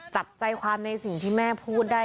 จับใจความในสิ่งที่แม่พูดได้